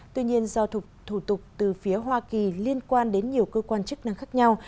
tuy nhiên do thủ tục từ phía hoa kỳ liên quan đến nhiều cơ quan chức năng khác nhau